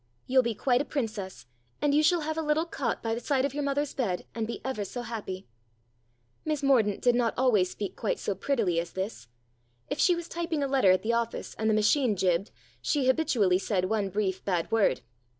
You'll be quite a princess, and you shall have a little cot by the side of your mother's bed, and be ever so happy." Miss Mordaunt did not always speak quite so prettily as this. If she was typing a letter at the office and the machine jibbed, she habitually said one brief bad word.